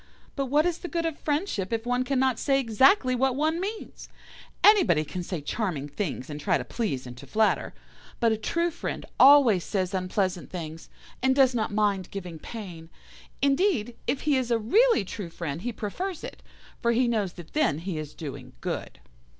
But what is the good of friendship if one cannot say exactly what one means? Anybody can say charming things and try to please and to flatter, but a true friend always says unpleasant things, and does not mind giving pain. Indeed, if he is a really true friend he prefers it, for he knows that then he is doing good.